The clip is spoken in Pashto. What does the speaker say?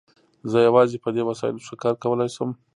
زه یوازې په دې وسایلو ښکار کولای شم.